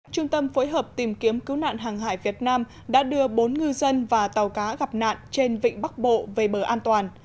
trung tâm phối hợp tìm kiếm cứu nạn hàng hải việt nam đã đưa bốn ngư dân và tàu cá gặp nạn trên vịnh bắc bộ về bờ an toàn